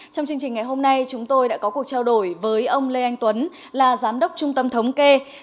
trong chương trình ngày hôm nay chúng tôi đã có cuộc trao đổi với ông lê anh tuấn là giám đốc trung tâm thống kê